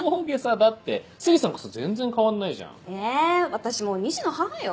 私もう２児の母よ。